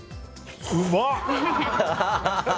うまっ！